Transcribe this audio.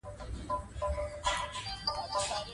هغه دروازې یې په کال کې د سومنات له مندر څخه وړې دي.